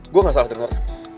gue gak salah denger